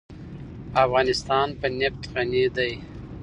افغانستان په نفت غني دی.